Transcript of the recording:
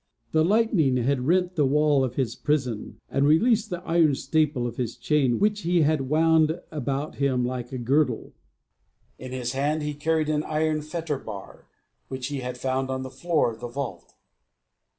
The lightning had rent the wall of his prison, and released the iron staple of his chain, which he had wound about him like a girdle. In his hand he carried an iron fetter bar, which he had found on the floor of the vault.